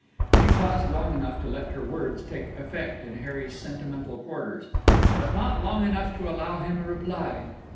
She paused long enough to let her words take effect in Harry's sentimental quarters, but not long enough to allow him a reply.